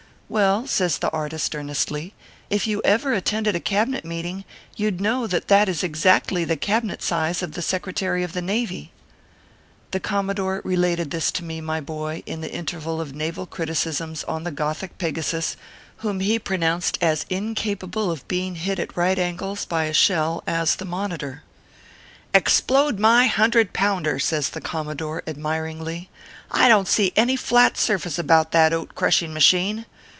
"Well/ says the artist, earnestly, "if you ever attended a Cabinet meeting, you d know that that is exactly the Cabinet size of the Secretary of the Navy/ The Commodore related this to me, my boy, in the interval of naval criticisms on the gothjc Pegasus, whom he pronounced as incapable of being hit at right angles by a shell as the Monitor. "Explode my hundred pounder !" says the Commodore, admiringly, " I don t see any flat surface about that oat crushing machine.